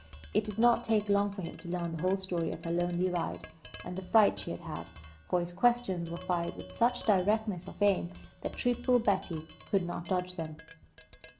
It did not take long for him to learn the whole story of her lonely ride, and the fright she had had, for his questions were fired with such directness of aim that truthful Betty could not dodge them.